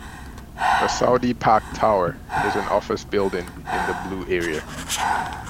The Saudi Pak Tower is an office building in the Blue Area.